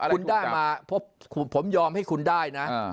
คุณได้มาผมยอมให้คุณได้นะ